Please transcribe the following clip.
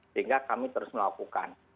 sehingga kami terus melakukan